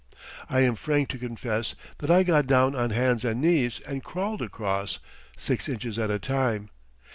I am frank to confess that I got down on hands and knees and crawled across, six inches at a time.